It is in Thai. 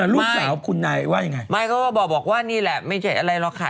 ลูกสาวคุณนายว่ายังไงไม่เขาก็บอกว่านี่แหละไม่ใช่อะไรหรอกค่ะ